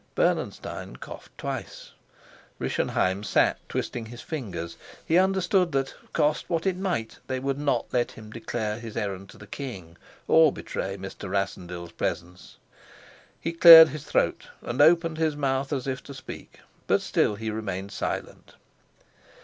Bernenstein coughed twice. Rischenheim sat twisting his fingers. He understood that, cost what it might, they would not let him declare his errand to the king or betray Mr. Rassendyll's presence. He cleared his throat and opened his mouth as if to speak, but still he remained silent.